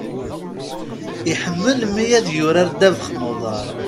Iḥemmel mmi ad yurar ddabex n uḍar.